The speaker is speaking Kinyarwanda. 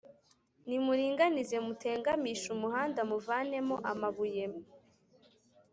nimuringanize, mutegamishe umuhanda, muvanemo amabuye,